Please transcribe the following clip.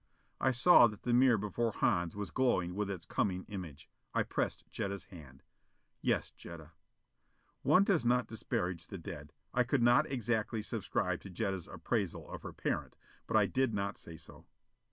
I saw that the mirror before Hans was glowing with its coming image. I pressed Jetta's hand. "Yes, Jetta." One does not disparage the dead. I could not exactly subscribe to Jetta's appraisal of her parent, but I did not say so.